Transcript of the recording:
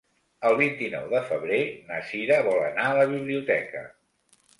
El vint-i-nou de febrer na Sira vol anar a la biblioteca.